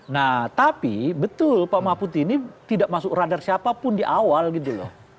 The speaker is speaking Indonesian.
nah tapi betul pak mahfud ini tidak masuk radar siapapun di awal gitu loh